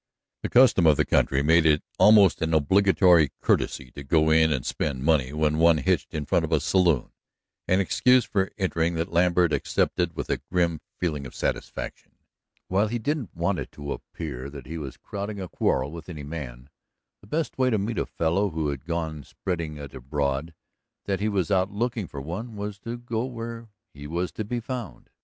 The custom of the country made it almost an obligatory courtesy to go in and spend money when one hitched in front of a saloon, an excuse for entering that Lambert accepted with a grim feeling of satisfaction. While he didn't want it to appear that he was crowding a quarrel with any man, the best way to meet a fellow who had gone spreading it abroad that he was out looking for one was to go where he was to be found.